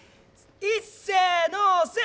いっせのせ！